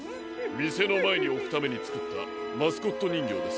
みせのまえにおくためにつくったマスコットにんぎょうです。